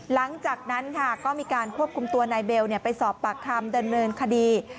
หลังจากนั้นค่ะก็มีการควบคุมตัวนายเบลไปสอบปากคำดำเนินคดี